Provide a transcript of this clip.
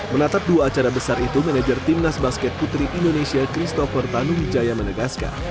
menatap dua acara besar itu manajer timnas basket putri indonesia christopher tanuwijaya menegaskan